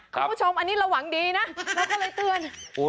คุณผู้ชมอันนี้ระหว่างดีนะแล้วก็เลยเตือน